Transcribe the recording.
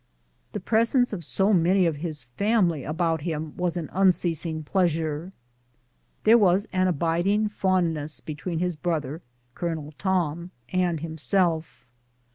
The presence of so many of his family about him was an unceasing pleasure. There was an abiding fondness between his brother, Colonel Tom, and himself.